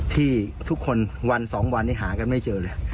ที่ทุกคนวัน๒วันนี้หากันไม่เจอเลย